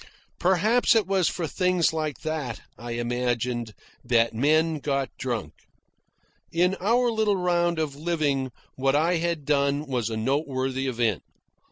Perhaps it was for things like that, I imagined, that men got drunk. In our little round of living what I had done was a noteworthy event.